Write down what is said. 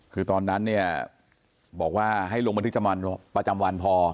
คือตอนนั้นเนี่ยบอกว่าให้ลงบันทึกประจำวันประจำวันพอ